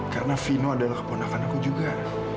karena vino adalah keponakan aku juga